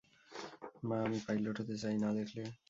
মা, আমি পাইলট হতে চাই না দেখলে?